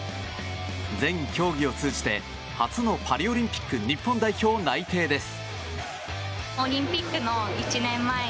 全競技を通じて初のパリオリンピック日本代表内定です。